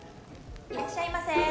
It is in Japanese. いらっしゃいませ！